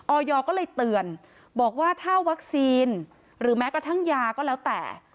อยก็เลยเตือนบอกว่าถ้าวัคซีนหรือแม้กระทั่งยาก็แล้วแต่